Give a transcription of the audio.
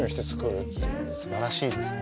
すばらしいですね。